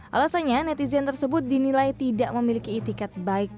alasannya netizen tersebut dinilai tidak memiliki itikat baik